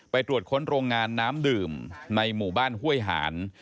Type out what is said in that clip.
ตรวจค้นโรงงานน้ำดื่มในหมู่บ้านห้วยหาน